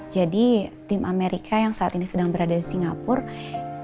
jadi tim amerika yang saat ini sedang berada di singapura